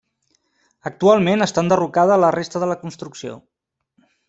Actualment està enderrocada la resta de la construcció.